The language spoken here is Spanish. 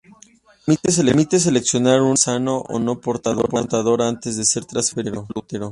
Permite seleccionar un embrión sano o no portador antes de ser transferido al útero.